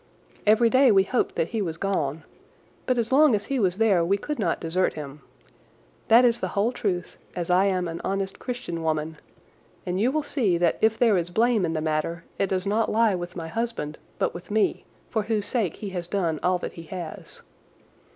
Every day we hoped that he was gone, but as long as he was there we could not desert him. That is the whole truth, as I am an honest Christian woman and you will see that if there is blame in the matter it does not lie with my husband but with me, for whose sake he has done all that he has."